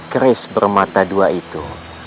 chris bermata ii itu